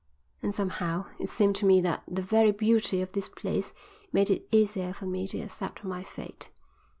And somehow it seemed to me that the very beauty of this place made it easier for me to accept my fate.